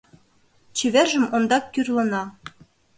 Чевержым ондак кӱрлына.